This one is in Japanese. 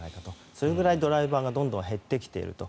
それぐらいドライバーがどんどん減ってきていると。